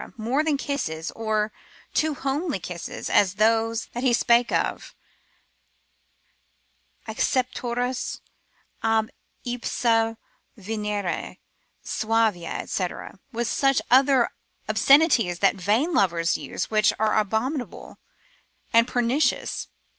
More than kisses, or too homely kisses: as those that he spake of, Accepturus ab ipsa venere 7, suavia, &c. with such other obscenities that vain lovers use, which are abominable and pernicious.